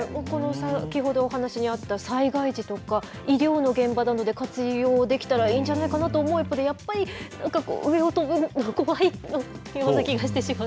先ほどお話にあった災害時とか、医療の現場などで活用できたらいいんじゃないかなと思うけれども、やっぱり、なんかこう、上を飛ぶの怖いような気がしてしまう。